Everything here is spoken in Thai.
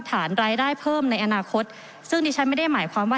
ฐานรายได้เพิ่มในอนาคตซึ่งดิฉันไม่ได้หมายความว่า